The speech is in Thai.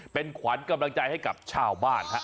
เป็นขวัญกำลังใจให้กับชาวบ้านฮะ